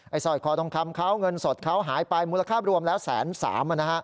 สร้อยคอทองคำเขาเงินสดเขาหายไปมูลค่ารวมแล้วแสนสาม